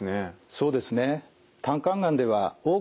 そうですね。